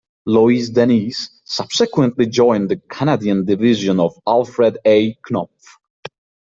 Louise Dennys subsequently joined the Canadian division of Alfred A. Knopf.